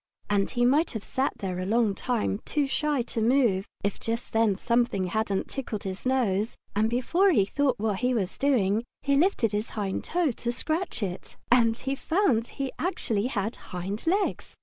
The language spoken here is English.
And he might have sat there a long time, too shy to move, if just then something hadn't tickled his nose, and before he thought what he was doing he lifted his hind toe to scratch it. And he found that he actually had hind legs!